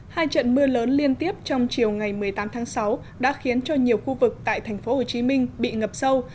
hai trận mưa lớn liên tiếp trong chiều ngày một mươi tám tháng sáu đã khiến cho nhiều khu vực tại thành phố hồ chí minh bị ngập sâu